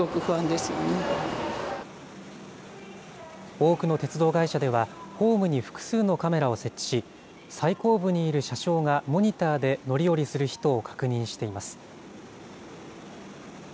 多くの鉄道会社では、ホームに複数のカメラを設置し、最後部にいる車掌がモニターで乗り降りする人を確認しています。